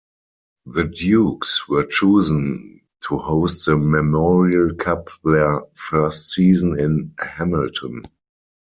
The Dukes were chosen to host the Memorial Cup their first season in Hamilton.